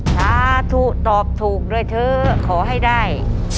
สาธุตอบถูกด้วยเถอะขอให้ได้